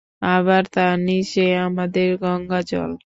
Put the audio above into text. আবার তার নীচে আমাদের গঙ্গাজল।